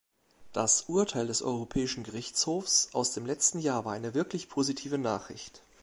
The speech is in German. Das Urteil des Europäischen Gerichtshofs aus dem letzten Jahr war eine wirklich positive Nachricht.